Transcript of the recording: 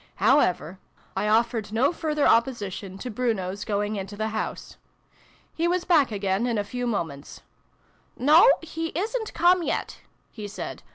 How ever, I offered no further opposition to Bruno's 8o SYLVIE AND BRUNO CONCLUDED. going into the house. He was back again in a few moments. " No, he isn't come yet," he said.